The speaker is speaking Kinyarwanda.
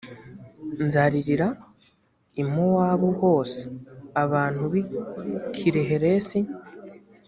nzaririra i mowabu hose abantu b i kiriheresi